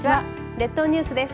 列島ニュースです。